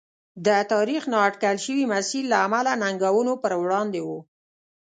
د تاریخ نااټکل شوي مسیر له امله ننګونو پر وړاندې و.